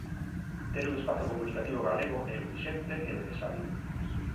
Ter un espazo comunicativo galego é urxente e necesario.